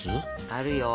あるよ！